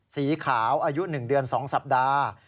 สีขาวอายุ๑เดือน๒สัปดาห์